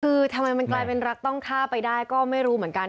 คือทำไมมันกลายเป็นรักต้องฆ่าไปได้ก็ไม่รู้เหมือนกัน